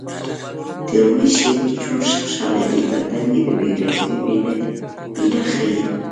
تر وېش یې په چور خوشحاله دی متل د بې نظمۍ مینه ښيي